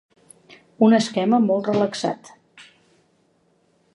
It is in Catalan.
Un esquema molt relaxat.